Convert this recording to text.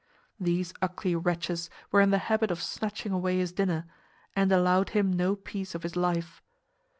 These ugly wretches were in the habit of snatching away his dinner, and allowed him no peace of his life.